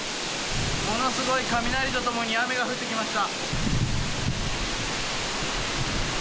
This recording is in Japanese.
ものすごい雷と共に雨が降ってきました。